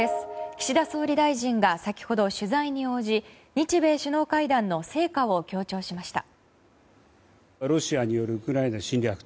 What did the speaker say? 岸田総理大臣が先ほど取材に応じ日米首脳会談の成果を強調しました。